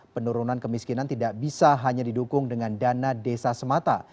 penurunan kemiskinan tidak bisa hanya didukung dengan dana desa semata